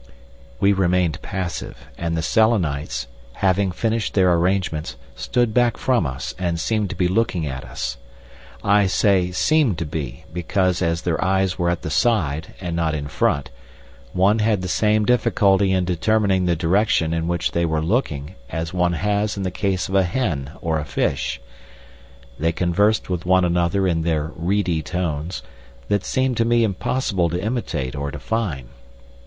We remained passive, and the Selenites, having finished their arrangements, stood back from us, and seemed to be looking at us. I say seemed to be, because as their eyes were at the side and not in front, one had the same difficulty in determining the direction in which they were looking as one has in the case of a hen or a fish. They conversed with one another in their reedy tones, that seemed to me impossible to imitate or define.